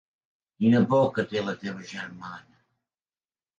Quina por que té la teva germana.